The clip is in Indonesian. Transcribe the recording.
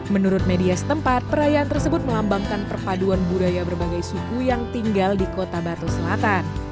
menurut media setempat perayaan tersebut melambangkan perpaduan budaya berbagai suku yang tinggal di kota batu selatan